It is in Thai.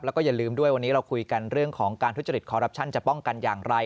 แล้วก็อย่าลืมด้วยวันนี้เราคุยกันเรื่องของการทุจริตคอรัปชั่นจะป้องกันอย่างไร